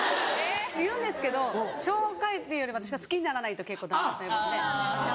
言うんですけど紹介っていうより私が好きにならないと結構ダメなタイプで。